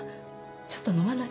ちょっと飲まない？